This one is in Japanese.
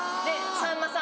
さんまさん